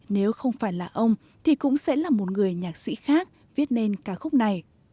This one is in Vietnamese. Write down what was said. nếu không phải là ông thì cũng sẽ là một người nhạc sĩ khác viết nên ca khúc này